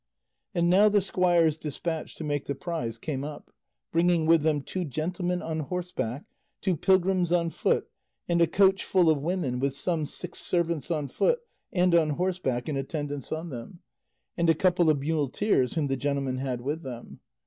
And now the squires despatched to make the prize came up, bringing with them two gentlemen on horseback, two pilgrims on foot, and a coach full of women with some six servants on foot and on horseback in attendance on them, and a couple of muleteers whom the gentlemen had with them.